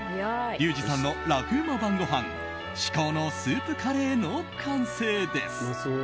リュウジさんの楽ウマ晩ごはん至高のスープカレーの完成です。